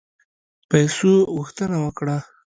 پیسو غوښتنه وکړه.